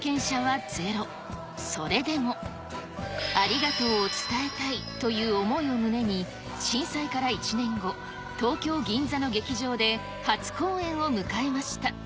それでもありがとうを伝えたいという思いを胸に震災から１年後東京・銀座の劇場で初公演を迎えました。